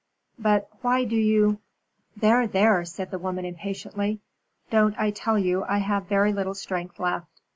"But why do you " "There, there," said the woman, impatiently, "don't I tell you I have very little strength left.